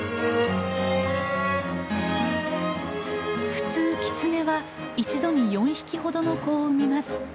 普通キツネは一度に４匹ほどの子を産みます。